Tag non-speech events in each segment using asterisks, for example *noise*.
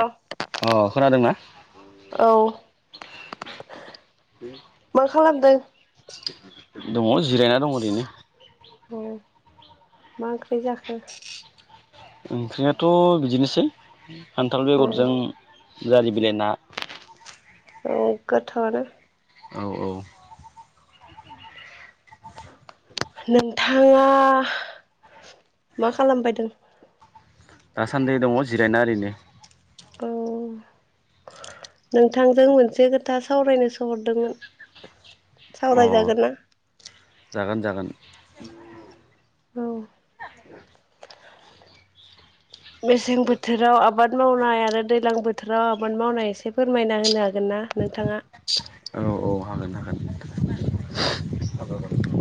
औ अ खोनादोंना? बे मा खालामदों? दङ जिरायना दङ ओरैनो। मा ओंख्रि जाखो? ओंख्रियाथ' बिदिनोसै खान्थाल अ औ बेगरजों जारि बिलाइ ना। औ गोथावानो। औ औ। नोंथाङा मा खालामबाय दों? दासान्दै दङ जिरायना ओरैनो। औ नोंथांजों मोनसे खोथा सावरायनो सोहरदोंमोन। अ सावरायजागोन ना? जागोन जागोन। औ। मेसें बोथोराव आबाद मावनाय आरो दैज्लां बोथोराव आबाद मावनाय एसे फोरमायना होनो हागोन ना नोंथाङा? औ औ हागोन हागोन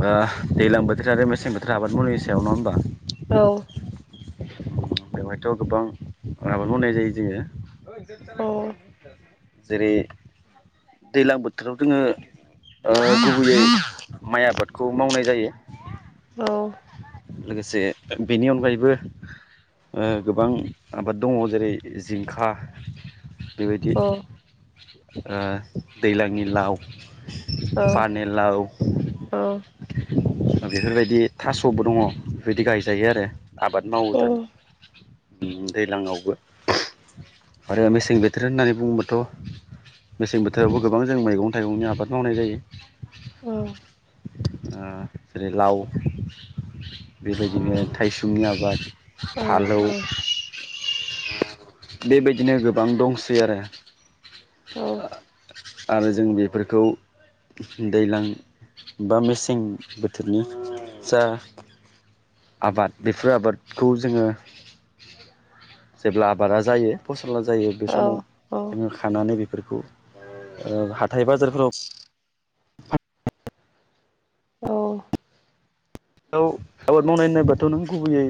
ओ दैज्लां बोथोर आरो मेसें बोथोर आबाद मावनायनि सायाव नङा होमबा? औ। बेवहायथ' गोबां आबाद मावनाय जायो जोङो। औ *unintelligible* जेरै दैज्लां बोथोराव जोङो ओ गुबैयै माइ आबाद खौ मावनाय जायो। औ औ लोगोसे बेनि अनगायैबो ओ गोबां आबाद दङ जेरै जिंखा बेबायदि औ ओ दैलांनि लाव औ पानेलाव औ ओ बेफोरबायदि थास'बो दङ बेफोरबायदि गायजायो आरो आबाद औ मावद्रोम ओम दैलांआवबो आरो मेसें बोथोर होननानै बुङोबाथ' मेसें बोथोरावबो गोबां जों मैगं थाइगंनि आबाद मावनाय जायो। औ ओ जेरै लाव बेबायदिनो थाइसुमनि आबाद फालौ औ औ बेबायदिनो गोबां दंसै आरो औ आरो जों बेफोरखौ दैज्लां बा मेसें बोथोरनि जा आबाद बेफोर आबादखौ जोङो जेब्ला आबादा जायो पस सला जायो बे समाव औ जोङो खानानै बेफोरखौ ओ हाथाइ बाजारफोराव औ औ आबाद मावनाय होनोबाथ' नों गुबैयै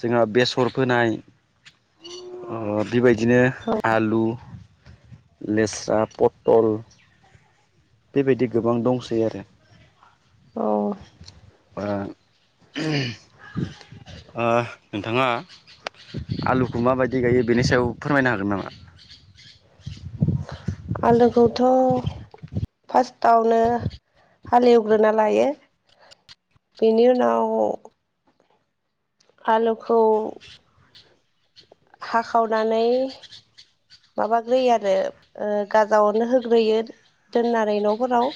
जोंहा बेसर फोनाय ओ बेबाय दिनो आलु लेस्रा पटल बेबायदि गोबां दंसै आरो औ ओ ओ नोंथाङा आलुखौ माबायदि गायो बेनि सायाव फोरमायनो हागोन नामा? थ' फास्ट आवनो हालेवग्रोना लायो बेनि उनाव आलुखौ हाखावनानै माबा ग्रोयो आरो ओ गाजा अरनो होग्रोयो दोननानै न'फोराव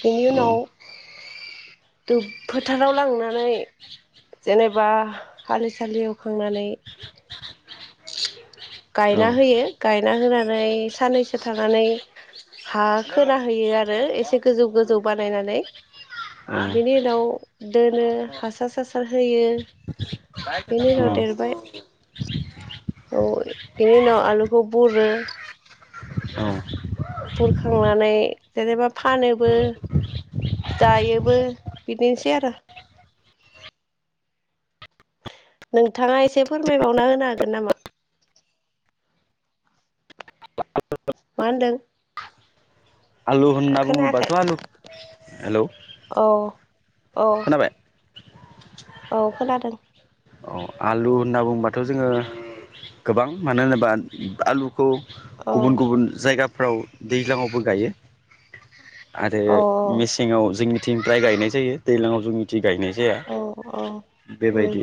बेनि औ उनाव दुब फोथाराव लांनानै जेनेबा हलि सालि एवखांनानै औ गायना होयो गायना होनानै साननैसो थानानै हा खोना होयो आरो एसे गोजौ गोजौ बानायनानै बेनि उनाव दोनो हासार सासार होयो बेनि उनाव देरबाय औ बिनि उनाव आलुखौ बुरो औ बुरखांनानै जेनेबा फानोबो जायोबो बिदिनोसै आरो नोंथाङा एसे फोरमायबावना होनो हागोन नामा। मा होनदों। आलु होनना खोनायाखै बुंङोबाथ' आलु हेल' औ औ औ खोनादों अ आलु होनना बुंबाथ जोङो गोबां मानो होनोबा आलु औ गुबुन गुबुन जायगाफ्राव दैज्लांआव बो गायो। आरो औ मेसेंआव जोंनि मिथिनिफ्राय गायनाय जायो दैज्लांआव जों निथि गायनाय औ औ जाया उम बेबायदि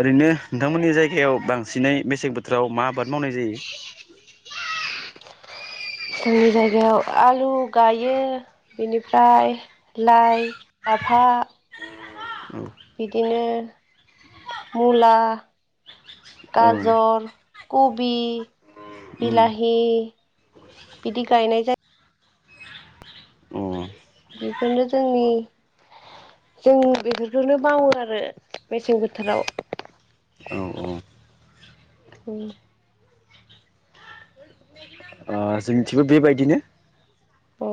ओरैनो नोंथांमोननि जायगायाव बांसिनै मेसें बोथोराव मा बाद मावनाय जायो जोंनि जायगायाव आलु गायो बेनिफ्राय लाइ लाफा औ बिदिनो मुला औ गाजर खबि उम बिलाहि बिदि गायनाय जायो अ बेफोरनो जोंनि जों बेफोरखौनो मावो आरो मेसें बोथोराव औ उ ओ जोंनिथिंबो बेबायदिनो औ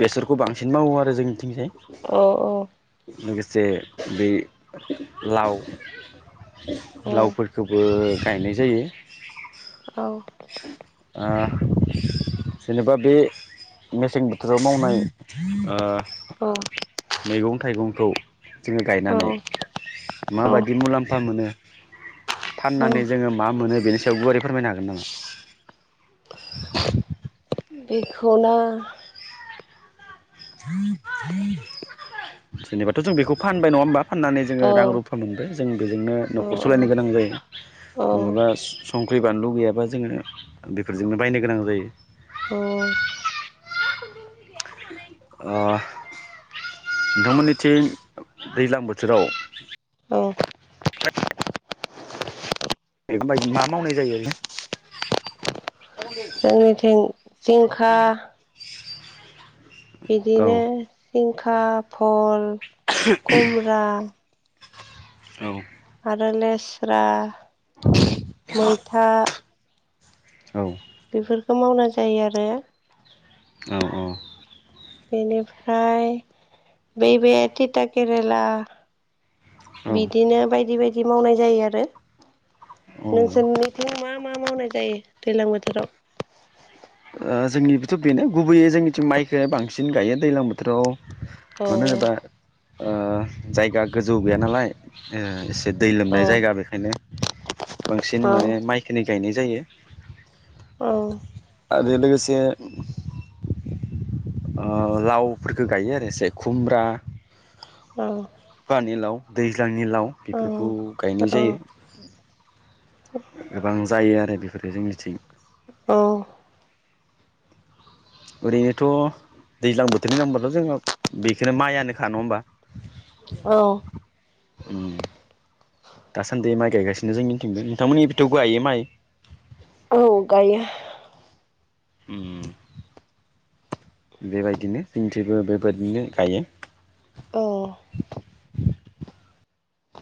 बेसरखौ बांसिन मावो आरो जोंनिथिंजाय औ औ जे बे लाव औ लावफोरखौबो गायनाय जायो। औ ओ जेनेबा बे मेसें बोथोराव मावनाय ओ औ मैगं थाइगंखौ जोङो औ गायनानै औ माबायदि मुलाम्फा मोनो? फाननानै औ जोङो मा मोनो बेनो फिसायाव गुवै फोरमायनो हागोन नामा? बेखौनो *inaudible* जेनेबाथ' जों बेखौ फानबाय नङा होमबा? फाननानै जोङो औ रां रुफा मोनबाय जों बेजोंनो औ न'खर सालायनो गोनां जायो औ मालाबा संख्रि बानलु गैयाबा जोङो बेफोरजोंनो बायनो गोनां जायो *inaudible* औ ओ नोंथांमोननिथिं दैज्लां बोथोराव बेफोरबायदि मा मावनाय जायो *unintelligible* जोंनिथिं जिंखा औ बिदिनो खा भल कुम्ब्रा औ आरो लेस्रा मैथा औ बेफोरखौ मावना जायो आरो औ औ बेनिफ्राय बैबे थिथा केरेला औ बिदिनो बायदि बायदि मावनाय जायो आरो औ नोंसोरनिथिं मा मा मावनाय जायो दैलां बोथोराव? ओ जोंनिबोथ' बेनो गुबैयै जोंनिथिं माइखो बांसिन गायो दैज्लां बोथोराव मानो औ होनोबा ओ जायगा गोजौ गैया नालाय एसे दै लोमनाय औ जायगा बेखायनो बांसिन औ माने माइखनि गायनाय जायो। औ आरो लोगोसे ओ लावफोरखौ गायो आरो एसे खुमब्रा औ पानेलाव दैजां निलाव बेफोरखौ गायनाय औ जायो। गोबां जायो आरो बि फोरो जोंनिथिं। औ ओरैनोथ' दैज्लां बोथोरनि नामबाथ' जोंङो बेखौनो माइआनोखा नङा होमबा? औ उम दासान्दि माइ गायगासिनो जों निथिंबो नोंथांमोननि थिंबोथ गायो माइ औ गायो। उम बेबायदिनो जनिथिबो बेबायदिनो गायो। औ